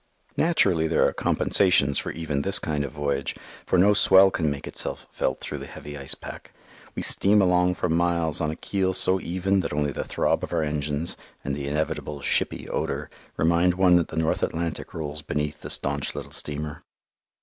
Naturally, there are compensations for even this kind of voyage, for no swell can make itself felt through the heavy ice pack. We steam along for miles on a keel so even that only the throb of our engines, and the inevitable "ship py" odour, remind one that the North Atlantic rolls beneath the staunch little steamer.